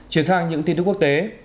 chuyển sang những tin tức quốc tế